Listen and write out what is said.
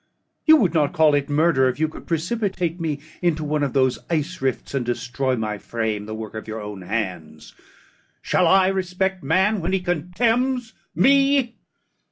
You would not call it murder, if you could precipitate me into one of those ice rifts, and destroy my frame, the work of your own hands. Shall I respect man, when he contemns me?